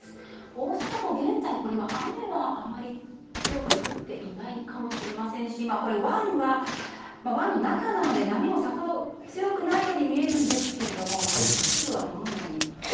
大阪港、現在雨はあまり強く降っていないかもしれませんし湾の中なので、波もさほど強くないように見えるんですが都市部はどのように？